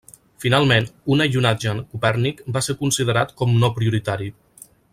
Finalment, un allunatge en Copèrnic va ser considerat com no prioritari.